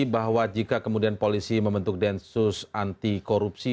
bahwa jika kemudian polisi membentuk densus anti korupsi